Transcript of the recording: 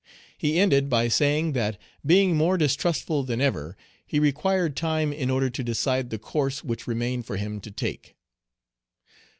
He ended by saying, that, being more distrustful than ever, he required time in order to decide the course which remained for him to take.